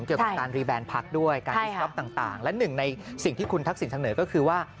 เกี่ยวกับการรีแบนพักด้วยการรีสต๊อปต่างและหนึ่งในสิ่งที่คุณทักษิณเสนอก็คือว่า